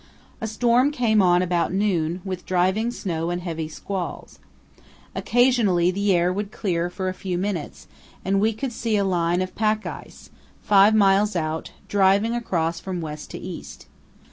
A storm came on about noon, with driving snow and heavy squalls. Occasionally the air would clear for a few minutes, and we could see a line of pack ice, five miles out, driving across from west to east.